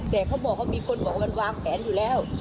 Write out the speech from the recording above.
แต่เขาบอกว่ามีคนบอกมันวางแผนอยู่แล้ว